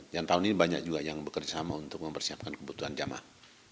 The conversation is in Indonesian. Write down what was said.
yang tahun ini banyak juga yang bekerja sama untuk mempersiapkan kebutuhan jamaah